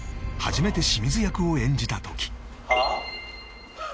初めて清水役を演じた時はあ？